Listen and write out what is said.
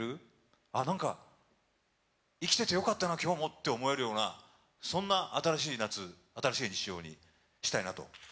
なんか生きててよかったな今日もって思えるようなそんな新しい夏新しい日常にしたいなと。